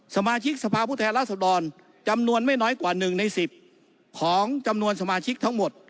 สมาชิกสภาพผู้แทนราษฎรจำนวนไม่น้อยกว่า๑ใน๑๐ของจำนวนสมาชิกทั้งหมด